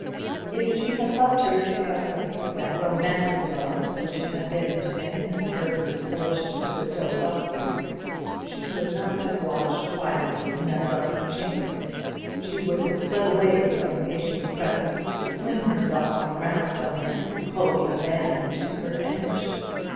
If she had loved her sick husband with that romantic love which it had been her sin and her misfortune to bestow elsewhere, she could not have watched quietly in that darkened chamber. She would have fled away from the patient's presence to fling herself on the ground somewhere, wholly abandoned to her anguish.